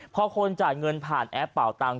พอคนจ่ายเงินผ่านแอปเป่าตังค